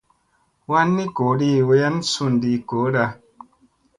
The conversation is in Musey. Wanni goodi wayan sundi gooda.